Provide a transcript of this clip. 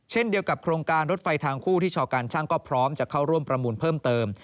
เช่นเดียวกับโครงการรถไฟทางคู่ที่ชอการช่างก็พร้อมจะเข้าร่วมประมูลเพิ่มเติม